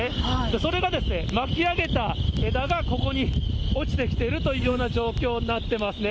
それが、まきあげた枝がここに落ちてきているというような状況になってますね。